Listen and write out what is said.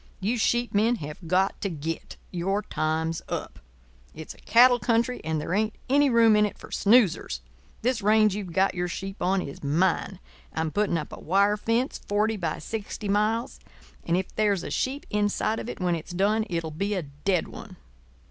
You sheep men have got to git. Your time's up. It's a cattle country, and there ain't any room in it for snoozers. This range you've got your sheep on is mine. I'm putting up a wire fence, forty by sixty miles; and if there's a sheep inside of it when it's done it'll be a dead one.